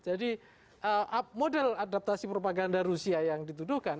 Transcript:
jadi model adaptasi propaganda rusia yang dituduhkan